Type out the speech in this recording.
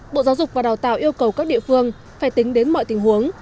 bộ giáo dục và đào tạo yêu cầu các địa phương phải tính đến mọi tình huống